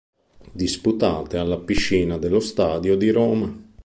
Disputate alla piscina dello Stadio di Roma.